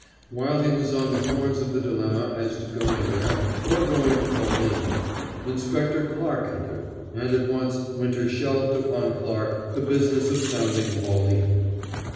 While he was on the horns of the dilemma as to going there, or going to Pauline, Inspector Clarke entered: and at once Winter shelved upon Clarke the business of sounding Pauline.